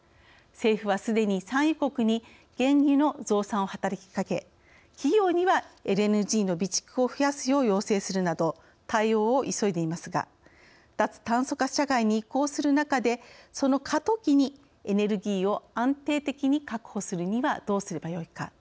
政府はすでに産油国に原油の増産を働きかけ企業にはＬＮＧの備蓄を増やすよう要請するなど対応を急いでいますが脱炭素化社会に移行する中でその過渡期にエネルギーを安定的に確保するにはどうすればよいか。